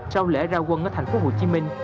sau lễ ra quân ở thành phố hồ chí minh